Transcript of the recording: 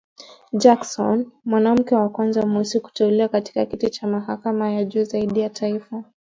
Jackson, mwanamke wa kwanza mweusi kuteuliwa katika kiti cha mahakama ya juu zaidi ya taifa